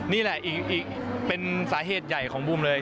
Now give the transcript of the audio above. นี่แหละอีกเป็นสาเหตุใหญ่ของบูมเลย